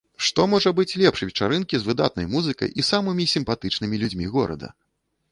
Што можа быць лепш вечарынкі з выдатнай музыкай і самымі сімпатычнымі людзьмі горада?